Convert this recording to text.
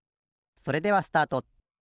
それではスタート。